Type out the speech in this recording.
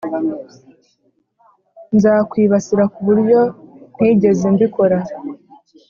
Nzakwibasira ku buryo ntigeze mbikora